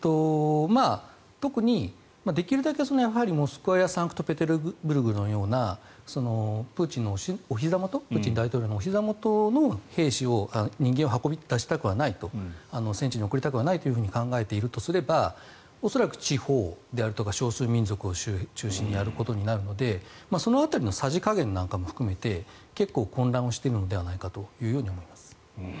特に、できるだけモスクワやサンクトペテルブルクのようなプーチン大統領のおひざ元の人間を運び出したくはないと戦地に送りたくはないと考えているとすれば恐らく地方であるとか少数民族を中心にやることになるのでその辺りのさじ加減なんかも含めて結構混乱しているのではないかと思います。